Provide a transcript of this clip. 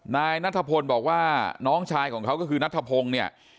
นายนัทพลวาพัดไทยบอกว่าน้องชายของเขาก็คือนัทพลวงเนี่ย